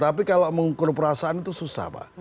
tapi kalau mengukur perasaan itu susah pak